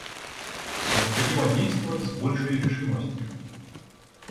Необходимо действовать с большей решимостью.